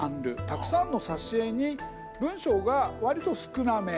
たくさんの挿絵に文章がわりと少なめ。